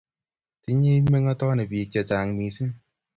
Tinyei mengotoni bik chechang missing